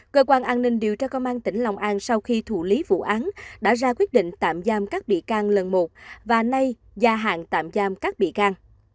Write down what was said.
cơ quan an ninh điều tra công an tỉnh lòng an sau khi thủ lý vụ án đã ra quyết định tạm giam các bị can lần một và nay gia hạn tạm giam các bị can